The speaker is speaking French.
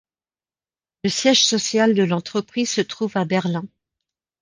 Le siège social de l'entreprise se trouve à Berlin.